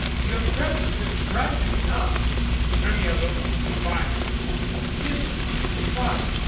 Your presence is surprising enough " Hermia looked defiance. "Is it? Why?